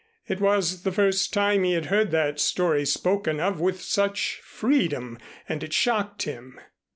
It was the first time he had heard that story spoken of with such freedom, and it shocked him.